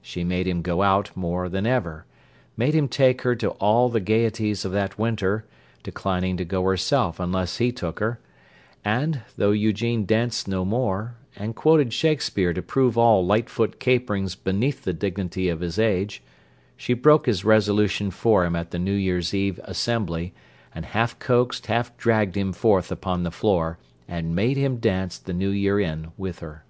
She made him "go out" more than ever; made him take her to all the gayeties of that winter, declining to go herself unless he took her, and, though Eugene danced no more, and quoted Shakespeare to prove all lightfoot caperings beneath the dignity of his age, she broke his resolution for him at the New Year's Eve "Assembly" and half coaxed, half dragged him forth upon the floor, and made him dance the New Year in with her.